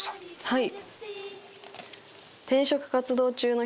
はい。